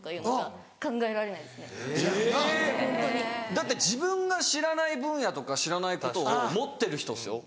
だって自分が知らない分野とか知らないことを持ってる人ですよ。